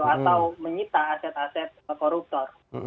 atau menyita aset aset koruptor